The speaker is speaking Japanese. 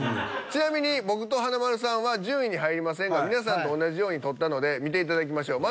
ちなみに僕と華丸さんは順位に入りませんが皆さんと同じように撮ったので見ていただきましょう。